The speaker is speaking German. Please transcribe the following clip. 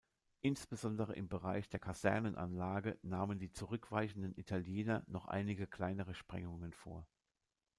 Insbesondere im Bereich der Kasernenanlage nahmen die zurückweichenden Italiener noch einige kleinere Sprengungen vor.